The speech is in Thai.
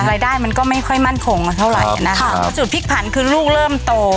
รายได้มันก็ไม่ค่อยมั่นคงเท่าไหร่อ่ะนะคะจุดพลิกผันคือลูกเริ่มโต